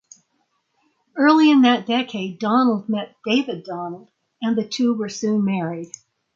Early in that decade Donald met David Donald and the two were soon married.